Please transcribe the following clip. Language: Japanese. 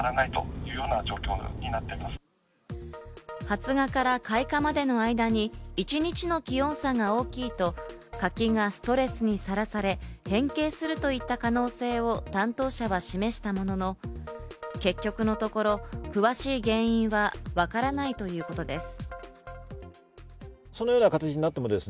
発芽から開花までの間に一日の気温差が大きいと、柿がストレスにさらされ変形するといった可能性を担当者は示したものの、結局のところ、詳しい原因はわからないということです。